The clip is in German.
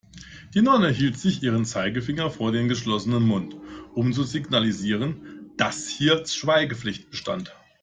Die Nonne hielt sich ihren Zeigefinger vor den geschlossenen Mund, um zu signalisieren, dass hier Schweigepflicht bestand.